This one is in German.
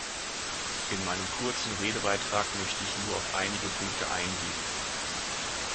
In meinem kurzen Redebeitrag möchte ich nur auf einige Punkte eingehen.